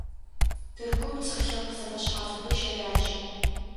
Тыркум цӀыф лъэпкъ зэфэшъхьафыбэ щэлажьэ.